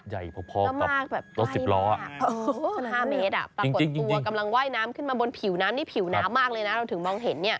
ใหญ่พอกับรถสิบล้ออ่ะโอ้โฮคือ๕เมตรอ่ะปรากฏตัวกำลังว่ายน้ำขึ้นมาบนผิวน้ำนี่ผิวหนามากเลยนะเราถึงมองเห็นเนี่ย